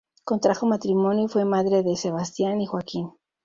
Contrajo matrimonio y fue madre de Sebastián y Joaquín.